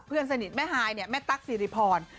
เพื่อนสนิทแม่ฮายเนี่ยแม่ตั๊กสิริพร